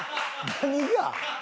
何が？